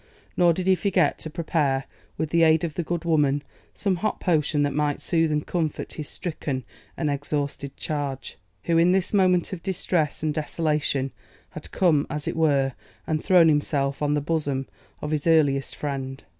Nor did he forget to prepare, with the aid of the good woman, some hot potion that might soothe and comfort his stricken and exhausted charge, who in this moment of distress and desolation had come, as it were, and thrown himself on the bosom of his earliest friend.